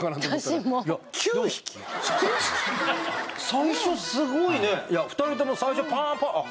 最初すごいね２人とも最初パンパン。